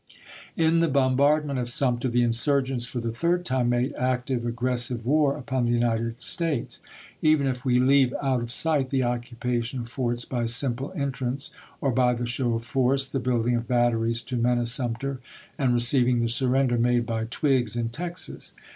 In the bombardment of Sumter the insurgents for the third time made active, aggressive war upon the United States, even if we leave out of sight the occupation of forts by simple entrance or by the show of force, the building of batteries to menace Sumter, and receiving the surrender made by Twiggs in Texas.